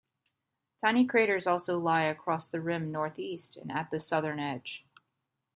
Tiny craters also lie across the rim northeast and at the southern edge.